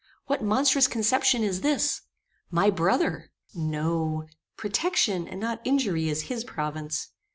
What monstrous conception is this? my brother! No; protection, and not injury is his province.